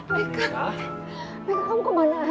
mecah kamu kemana aja